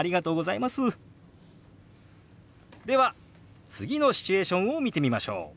では次のシチュエーションを見てみましょう。